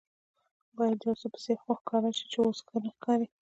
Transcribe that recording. باید د یوڅه په څېر خو ښکاره شي چې اوس ښه نه ښکاري.